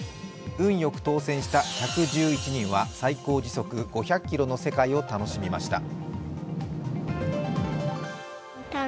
運よく当選した１１１人は最高時速５００キロの世界を楽しみました。